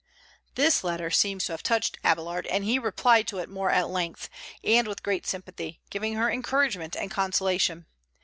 This letter seems to have touched Abélard, and he replied to it more at length, and with great sympathy, giving her encouragement and consolation.